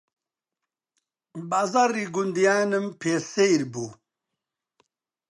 بازاڕی گوندیانم پێ سەیر بوو